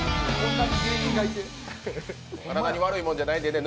体に悪いもんじゃないんでね。